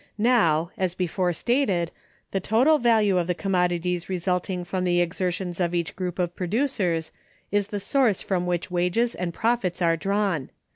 Now, as before stated, the total value of the commodities resulting from the exertions of each group of producers is the source from which wages and profits are drawn.